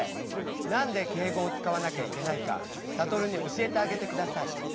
なんで敬語を使わなきゃいけないかサトルに教えてあげて下さい。